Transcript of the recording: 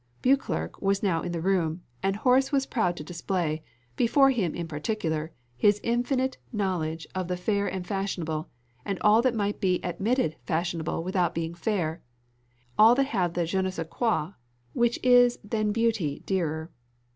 Beauclerc was now in the room, and Horace was proud to display, before him in particular, his infinite knowledge of all the fair and fashionable, and all that might be admitted fashionable without being fair all that have the je ne sais quoi, which is than beauty dearer.